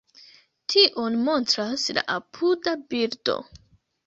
Tion montras la apuda bildo.